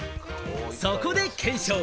そこで検証！